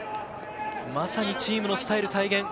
まさにチームのスタイル体現。